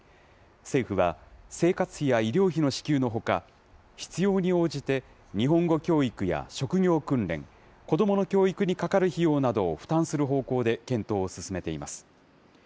政府は、生活費や医療費の支給のほか、必要に応じて日本語教育や職業訓練、子どもの教育にかかる費用などを負担する方向で検討を進めています。